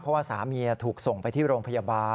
เพราะว่าสามีถูกส่งไปที่โรงพยาบาล